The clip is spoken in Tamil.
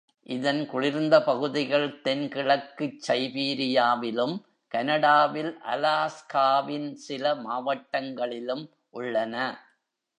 இதன் குளிர்ந்த பகுதிகள் தென் கிழக்குச் சைபீரியாவிலும், கனடாவில் அலாஸ்காவின் சில மாவட்டங்களிலும் உள்ளன.